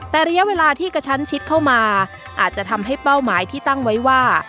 แต่ระยะเวลาที่กระชั้นชิดเข้ามาอาจจะทำให้เป้าหมายที่ตั้งไว้ว่า